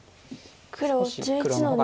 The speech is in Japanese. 黒１１の二。